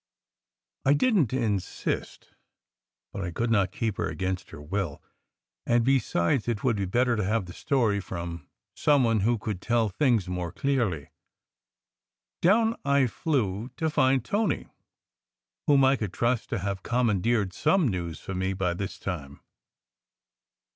I didn t insist, for I could not keep her against her will; and besides, it would be better to have the story from some one who could tell things more clearly. Down I flew to find Tony, whom I could trust to have commandeered some news for me by this time.